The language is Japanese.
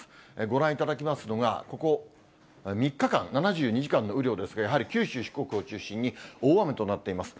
ご覧いただきますのが、ここ３日間、７２時間の雨量ですが、やはり九州、四国を中心に、大雨となっています。